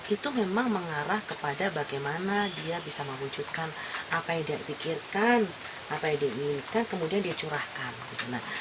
itu memang mengarah kepada bagaimana dia bisa mewujudkan apa yang dia pikirkan apa yang diinginkan kemudian dia curahkan